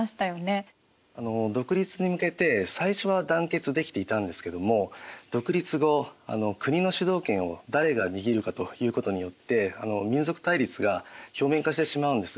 独立に向けて最初は団結できていたんですけども独立後国の主導権を誰が握るかということによって民族対立が表面化してしまうんです。